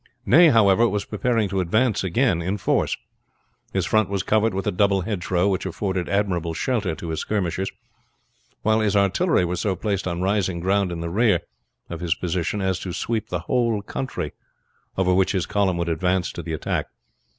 Ney, however, was preparing to advance again in force. His front was covered with a double hedgerow, which afforded admirable shelter to his skirmishers, while his artillery were so placed on rising ground in the rear of his position as to sweep the whole country over which his column would advance to the attack.